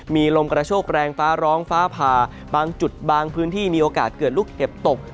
มีลมกระโชกแรงฟ้าร้องฟ้าผ่าบางจุดบางพื้นที่มีโอกาสเกิดลูกเห็บตก